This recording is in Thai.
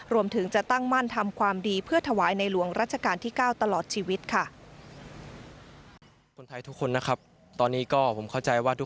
รวมถึงจะตั้งมั่นทำความดีเพื่อถวายในหลวงรัชกาลที่๙ตลอดชีวิตค่ะ